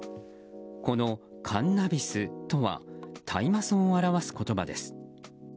このカンナビスとは大麻草を表す言葉です。